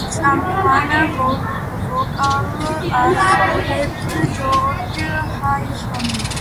წამყვან ვოკალს ასრულებს ჯორჯ ჰარისონი.